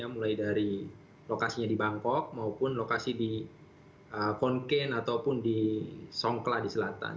mulai dari lokasinya di bangkok maupun lokasi di funken ataupun di songkla di selatan